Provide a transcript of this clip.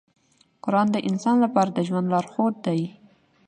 قرآن د انسان لپاره د ژوند لارښود دی.